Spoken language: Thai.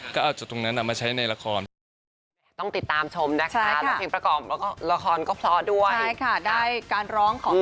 ก็เอาจุดตรงนั้นมาใช้ในละคร